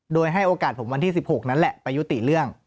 โดยให้โอกาสผมวันที่๑๖นั้นแหละไปยุติเรื่อง